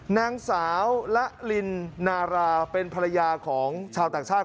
นางสาวละลินนาราเป็นภรรยาของชาวต่างชาติ